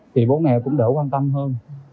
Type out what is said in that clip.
thì bố mẹ cũng đỡ quan tâm hơn